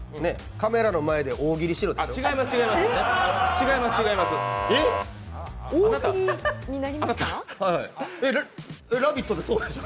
カメラの前で大喜利しろでしょ？